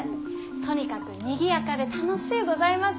とにかくにぎやかで楽しゅうございます。